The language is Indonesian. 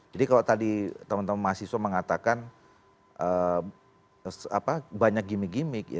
jadi kalau tadi teman teman mahasiswa mengatakan banyak gimmick gimmick